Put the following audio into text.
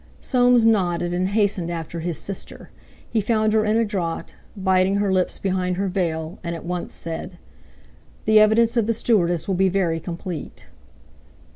Soames nodded and hastened after his sister. He found her in a draught, biting her lips behind her veil, and at once said: "The evidence of the stewardess will be very complete."